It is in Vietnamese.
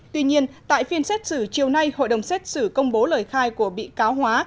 tuy nhiên tại phiên xét xử chiều nay hội đồng xét xử công bố lời khai của bị cáo hóa